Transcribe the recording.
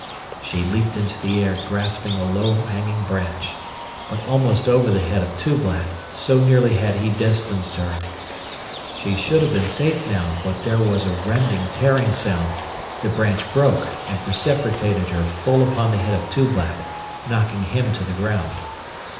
She leaped into the air grasping a low hanging branch, but almost over the head of Tublat, so nearly had he distanced her. She should have been safe now but there was a rending, tearing sound, the branch broke and precipitated her full upon the head of Tublat, knocking him to the ground.